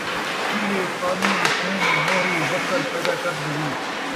کِھیرے پاٻیاں، تھوم، مورھی، وصل پیدا کر ݙیوے،